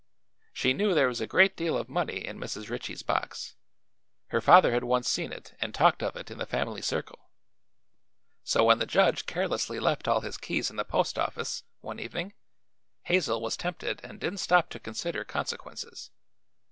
She knew there was a great deal of money in Mrs. Ritchie's box; her father had once seen it and talked of it in the family circle; so when the judge carelessly left all his keys in the post office, one evening, Hazel was tempted and didn't stop to consider consequences.